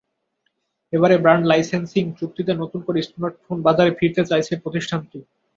এবারে brand licensing চুক্তিতে নতুন করে স্মার্টফোন বাজারে ফিরতে চাইছে প্রতিষ্ঠানটি।